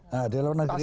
nah di luar negeri itu